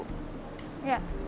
ya pasti ya